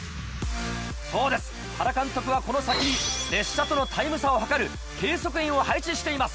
そうです原監督はこの先に列車とのタイム差を計る計測員を配置しています。